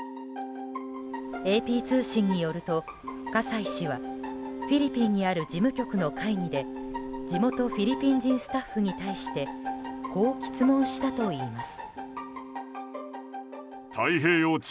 ＡＰ通信によると、葛西氏はフィリピンにある事務局の会議で地元フィリピン人スタッフに対し、こう詰問したといいます。